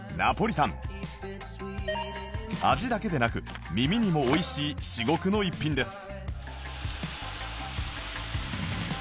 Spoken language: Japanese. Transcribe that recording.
味だけでなく耳にも美味しい至極の一品です